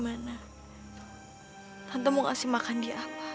aku mau pergi